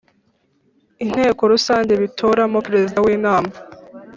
Inteko rusange bitoramo perezida w inama